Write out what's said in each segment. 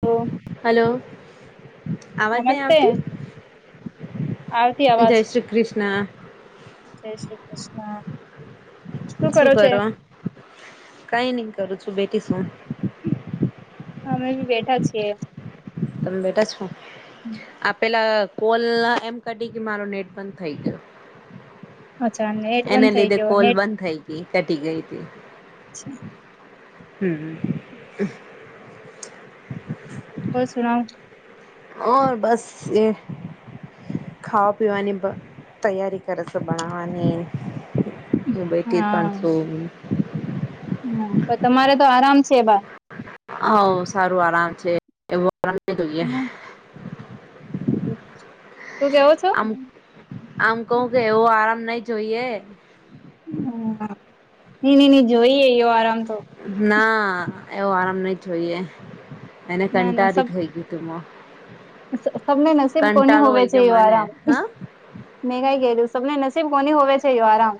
તો હલો, અવાજ ની નમસ્તે આવતી? આવતી અવાજ જય શ્રી કૃષ્ના. જય શ્રી કૃષ્ના. શું કરો, કઈ ની કરું છું બેઠી સુ. અમે બી બેઠા છીએ. તમે બેટા છ આપેલા કોલ એમ કટી કે મારો નેટ બંધ થઈ ગયો. અચ્છા નેટ એને બંધ થઈ લીધે ગયો કોલ બંધ થઈ ગઈ કટી ગઈ હતી. અચ્છા. હમ. ઓ સુણાવ ઓ બસ એ ખાવા પીવાની બ તૈયારી કરે છે બનવાની. હા હમ પણ તમારે તો આરામ છે બા. હ સારું આરામ છે એવું આરામ ન જોઈએ. શું કેવો છો આમ આમ કહ કે એવો આરામ નહ જોઈએ. હ નઈ નઈ ની જોઈએ એવો આરામ. તો ના એવો આરામ નહ જોઈએ. એને ના ના કંટાળ સબ હોઈ ગય તુંમાં. સબને નસીબ કોની હોવે હોય છે ગયો એવો મને આરામ. હા મેં કર્યું સ. તમને નસીબ કોની હોવે છે આરામ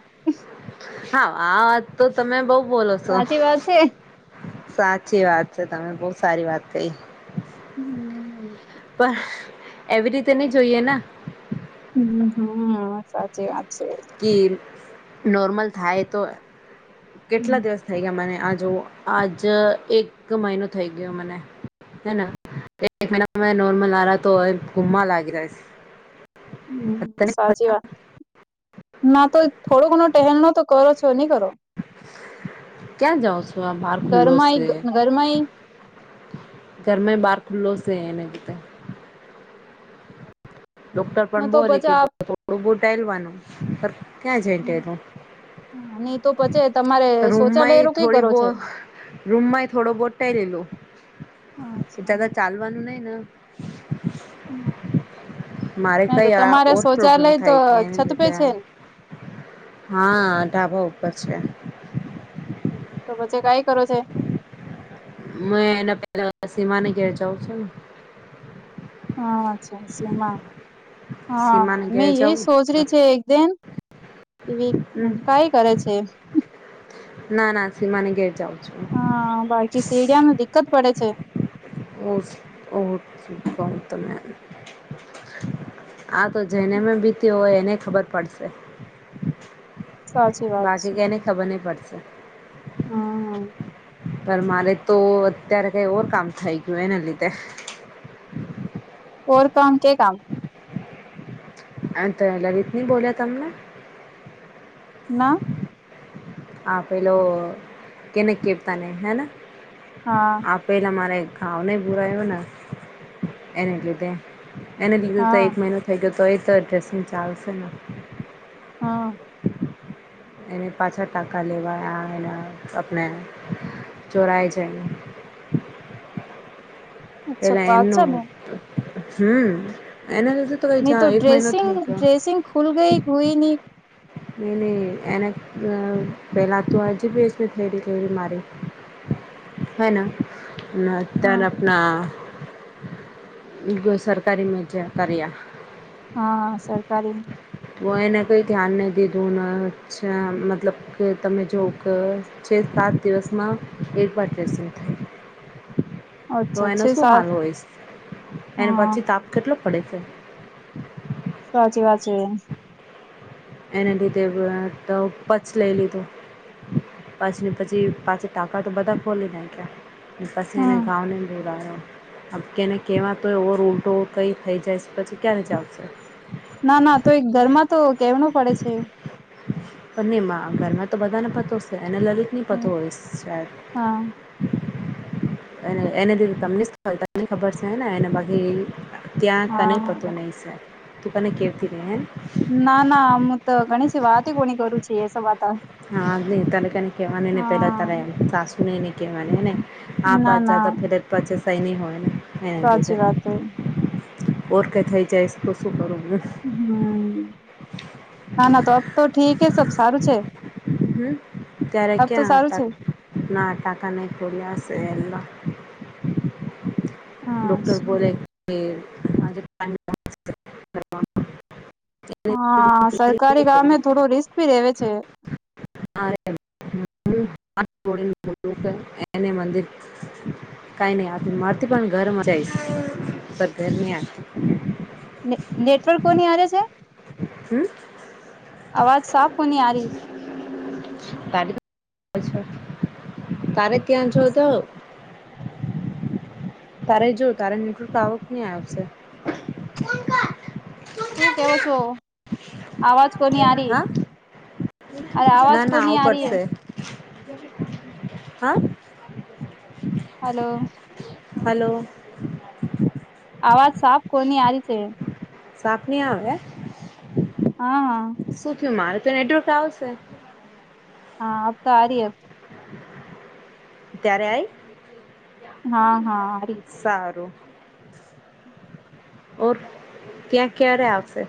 હા આ વાત તો તમે બઉ બોલો છો સાચી વાત છે સાચી વાત છે તમે બહુ સારી વાત કહી હમ પણ એવી રીતે નહિ જોઈએ ને હ હ સાચી વાત છે કે નોર્મલ થાય તો કેટલા દિવસ થઇ હમ ગયા મને આ જોવો આજ એક મહિનો થઈ ગયો મને એક મહિના નોર્મલ આરા તો [inaudible] લાગી રહ્યા છ- હ સાચી વાત ના તો થોડો ઘણો ટહેલનો તો કરો છો નહી કરો ક્યાં જાઓસો આ બાર ખુલ્લો છે ઘરમાંય ઘરમાંય ઘરમાં બહાર ખુલ્લો સે નતે ડોક્ટર પણ ના તો બોલે પછી કે આપ થોડું [inaudible] ટલવાનું ક્યાં જ તેનું નહી તો પછી તમારે શૌચાલયનું કઈ કરું છે રૂમમાં થોડો બોટ [unintelligible] અચ્છા જતા ચાલવાનું નહીં ને [inaudible] મારે ના તો કઈ આ તમારે ઓર પ્રોબ્લેમ શૌચાલય તો થાય કે એને છત પે લીધે છે ને હા ધાબા ઉપર છે તો પછી કઈ કરો છે મે એના પેલા સીમાની ઘેર જઉં છે હા અચ્છા સીમા હા સીમાને ઘેર મેં એ જાઉં સોચ રહી છે [unintelligible] હમ કઈ કરે છે ના ના સિમાને ઘેર જાવ હા [unintelligible] સીડીયા ન દિકકત પડે છે [unintelligible] શુ કઉં તમને આ તો જેને પર બીત્યું હોય એને ખબર પડશે સાચી બાકી એને ખબર નહી પડશે હ પણ મારે તો અત્યારે કઈ ઓર કામ થઈ ગયું એના લીધે ઓર કામ કે કામ હા તો લલિતની બોલ્યા તમને ના હા પેલો કેને કરતા નહીં હેને હા આપ પેલા મારે ઘાવ નહીં બુરાવ્યો ને એને લીધે એને લીધે તો હા એક મહિનો થઈ ગયો હતો એ તો ડ્રેસિંગ ચાલશે ને હા એની પાછળ ટાકા લેવાયા એના આપણે ચોરાય જાયને અચ્છા પેલા પાછા ને એમનું હ નહી તો ડ્રેસિંગ ડ્રેસિંગ ખુલ ગઈ [unintelligible] નહી નહી એને પહેલા તો [unintelligible] મારી હેના હા [unintelligible] આપણા એ સરકારી મજા કર્યા હા સરકારી તો હ એને કંઈ ધ્યાન નહીં દીધું ને અચ્છા મતલબ કે તમે જો કે છે સાત દિવસમાં એક વાર [unintelligible] થઈ તો અચ્છા એનો છે શું સા હાલ હોય એને હા પછી તાપ કેટલો પડે છે સાચી વાત છે એને લીધે પછ લઈ લીધો પછ પછી પાછી ટાકા તો બધા ખોલી નાખ્યા. પછી એને હમ કામે નઈ કરવાનું. અબ એને કેવા તો ઓવો ઉલટો કઈ થઇ જાય પછી ક્યારે જ આવશે. ના ના તો એ ઘરમાં તો કેમનું પડે છે? પણ મા ઘરમાં તો બધાને પતો છે અને લલિત ની પતો હમ, હોય સે શાયદ હા એને એને દી તમને તમ ખબર સેને એને બધી ત્યાં કને પતો હા નહી સે, તું કોઇને કેતી નઈ હો. ના ના હું તો ઘણી સી વાત કોની કરું એ સત હા નઈ તારે કને કેવાને પેલા હા તારે એમ સાસુ ને નઈ કવાનીને આ ના બાત ના જતા ફેરે પાછે સહી નહી હોય ને એના લીધે સાચી વાત હે. ઓર કઈ થઈ જાય છે તો શું કરો? હમ. ના ના અબ તો ઠીક હ સબ સારું છે. હમ ત્યારે અબ તો ક્યાં સારું ટા છે ના ટાકા નહી ખોલ્યા હશે. ડોક્ટર હા બોલે કે આજે ફાઇનલ ડિસ્ચાર્જ કરવાનું. હા સરકારી કામમે થોડું રિસ્ક ભી રેવે છે. [unintelligible] એને મંદિર કાંઈ નહી આ મારથી પણ ઘરમાં જાયશ પર ઘર નહી આવી. નેટવર્ક કોની આ છે હમ અવાજ સાફ કોની આારી. [inaudible] તારે ત્યાં જો તો તારે જો તારે ન્યૂટર્ક આવક કહીં આવશે. શું કેવો છો? અવાજ કોની આારી. હા અરે આવાજ ના ના કોની આવું આ રી હે પડશે હા હલો હલો આવાજ સાફ કોની આરી છે સાફની આવે હા હા સુ થયું [unintelligible] તો નેટવર્ક આવશે હા અબ તો આ રહી એ ત્યારે આઈ હા હા અરે સારું ઓર ક્યાં ક્યારે આવશે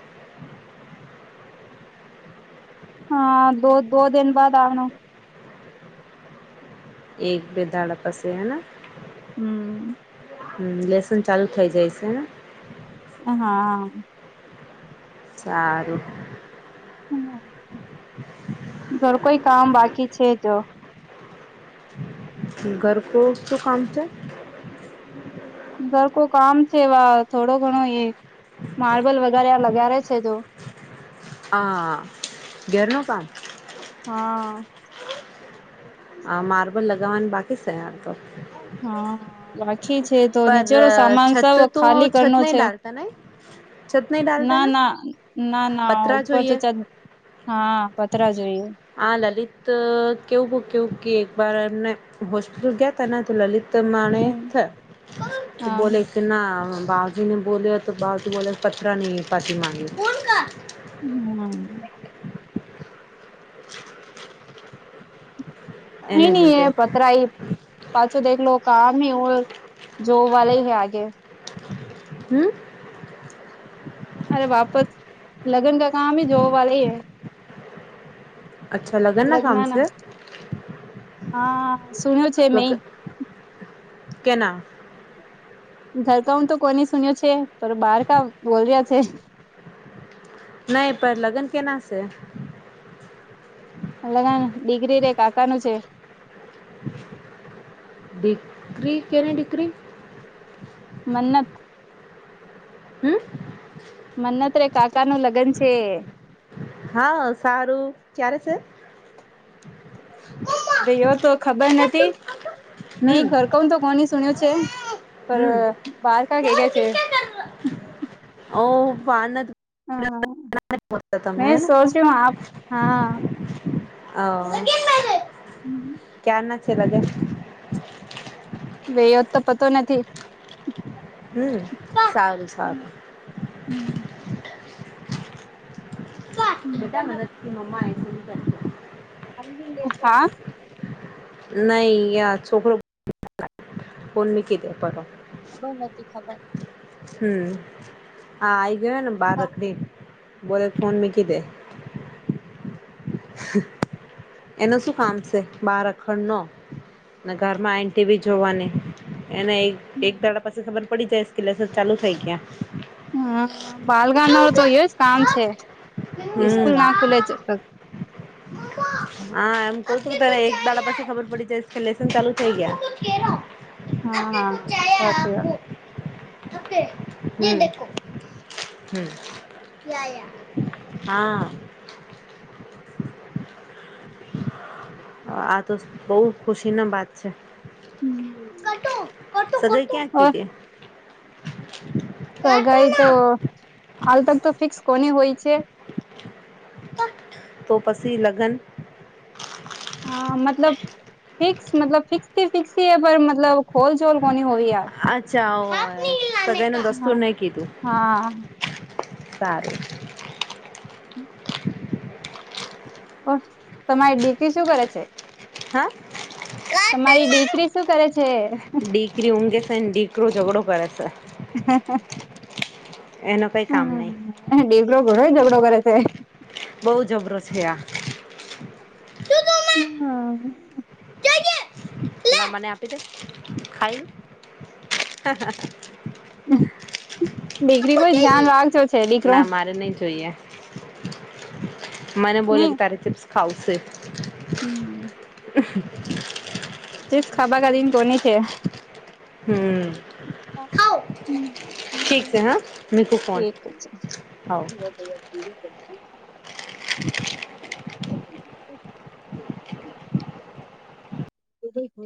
હા દો દો દિન બાદ આના એક બેદાડા પાસી હેના હમ. હમ લેસન ચાલુ થઇ જાય છે હ હા સારું ઘર કોઈ કામ બાકી છે જો ઘરકો શું કામ છે સર કો કામ છે વા થોડો ઘણો એ માર્બલ વગેરે આ લગારેે છે તો હા ઘેરનું પા હા. આ માર્બલ લગાવવાની બાકી એમ તો હા બાકી છે તો પર નીચેરો સામાન સૌ છત તો ખાલી કરનો નહીં છે ડાલતા છત નહી ના ડાલતાના ના ના ના ઉપર તો છત હા પતરા જોઈએ હા લલિત કેવું ભૂક્યું કે એક બાર એમ હોસ્પિટલ ગયા ત ને તો લલિત તો માણે થ હા કે બોલે કે ના બાવજી ને બોલ્યો તો બાાવજી બોલે પથરા નહીં પાતી માંગે હમ એને કઈ નઈ લીધે એ પતરાય પાછો તો એકલો આમ હોય જોવા હૈ આગે હમ અરે વાપસ લગન કા કામ હ જોબ વાહ હૈ અચ્છા લગન ના કામ છે હા સુન્યું છે મે લગ કેના ઘરકાહું તો કોની સુન્યો છે બાર ક બોલ રહ્યા છે નહી પર લગન કેના છે લગન ડિગ્રી રે કાકા નું છે બીકરી કેની દિકરી મન્નત હમ મન્નત્રે કાકા નું લગ્ન છે હા સારું ક્યારે છે ભાઈ તો ખબર નથી નહી હમ ઘર કન તો કોની સુન્યું છે પર હમ બારકા કે ગયા છે હા [unintelligible] મેં સોચ ર્યું હ આપ હા [unintelligible] વયોત તો પતો નથી હમ સારું સારું [unintelligible] હા નહી છોકરો [unintelligible] ખબર નથી ખબર હમ હા આવીઈ ગયોને બહાર રખડી બોલે ફોન મેકીદે એનું શું કામ છે માર ખડનો ને ઘરમાં આઇ ન ટીવી જોવાની એને એક એક દાડા પસ ખબર પડી જાય શે કે લેસન ચાલુ થઇ ગયા. હા [unintelligible] તો એવુ જ કામ છે. ઇ હમ્મ. સ્કૂલ ના ખુલે જબ તક. હા [unintelligible] એક દાડા પછી ખબર પડી જાય કે લેસન ચાલુ થઈ ગયા. હા હા સાચી વાત. યે દેખો હા આ તો બહુ ખુશીના બાત છે. ઓર [unintelligible] સગાઈ તો હાલ તક તો ફિક્સ કોની હુઈ છે? તો પશી લગન હા મતલબ ફિક્સ મતલબ ફિક્સ ફિક્સ હ પર મતલબ ખોલ જોલ કોની હોવી યાર અચ્છા બધાને વસ્તુ હા નહી કીધું. હા સારું. ઓ તમારી બેટી શું કરે છે? હા. તમારી દીકરી શું કરે છે? એકડું ઝઘડો કરે છે. હ [unintelligible] એનો કઈ કામ નહી હમ દીકરો ઘણોય ઝઘડો કરે છે. બહુ જબરો છે આ. હમ. હા મને આપી દ ખાઈ. દીકરી કોઈ ધ્યાન રાખજો છે [unintelligible] દીકરો ના મારે નહી જોઈએ. મને બોલો કે તારે ચિપ્સ ખાઉ છે. હમ. ચિપ્સ ખાબા ક દન કોને છે. હમ. ઠીક છે [unintelligible] હા મીકુ ફોન એક હા [unintelligible] [inaudible] [inaudible] [inaudible]